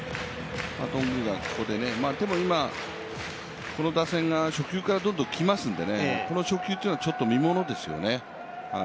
頓宮がここでね、でも今、この打線が初球からどんどんきますのでこの初球というのはちょっと見ものですよね。